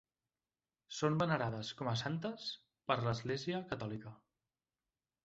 Són venerades com a santes per l'Església catòlica.